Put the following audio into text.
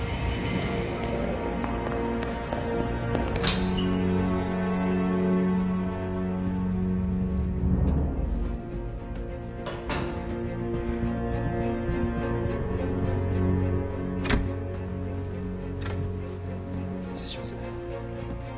はい失礼します